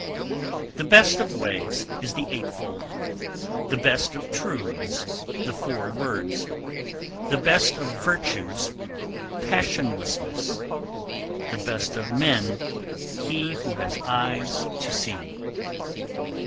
The best of ways is the eightfold; the best of truths the four words; the best of virtues passionlessness; the best of men he who has eyes to see.